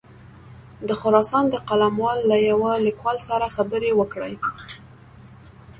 د خراسان د قلموال له یوه لیکوال سره خبرې وکړې.